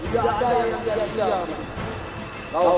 wassalamualaikum warahmatullah wabargatuh